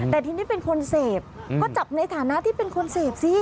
แต่ทีนี้เป็นคนเสพก็จับในฐานะที่เป็นคนเสพสิ